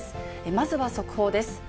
まずは速報です。